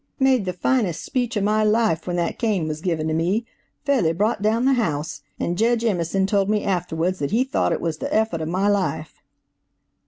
"Made the finest speech in my life when that cane was given to me–fairly bro't down the house, and Jedge Emerson told me afterwards that he tho't it was the effort of my life."